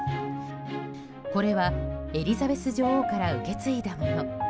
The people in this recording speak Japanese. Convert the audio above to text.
これは、エリザベス女王から受け継いだもの。